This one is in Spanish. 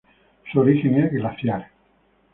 Su origen es glaciar.